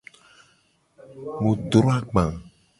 Mu dro agba.